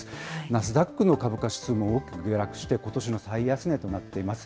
ナスダックの株価指数も大きく下落して、ことしの最安値となっています。